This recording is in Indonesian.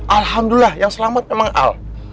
alhamdulillah yang selamat memang al